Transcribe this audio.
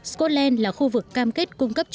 scotland là khu vực cam kết của các nhà chức trách